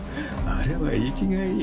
あれは活きがいい。